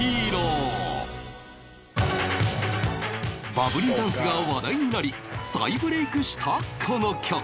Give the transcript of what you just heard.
バブリーダンスが話題になり再ブレークしたこの曲